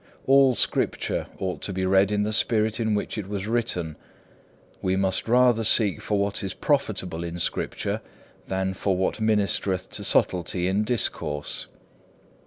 All Scripture ought to be read in the spirit in which it was written. We must rather seek for what is profitable in Scripture, than for what ministereth to subtlety in discourse.